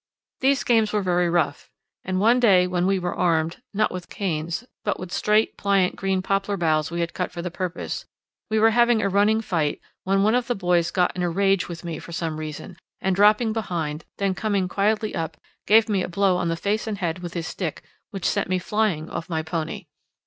These games were very rough, and one day when we were armed, not with canes but long straight pliant green poplar boughs we had cut for the purpose, we were having a running fight, when one of the boys got in a rage with me for some reason and, dropping behind, then coming quietly up, gave me a blow on the face and head with his stick which sent me flying off my pony.